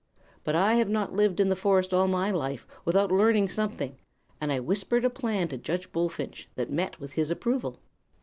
But I have not lived in the forest all my life without learning something, and I whispered a plan to Judge Bullfinch that met with his approval.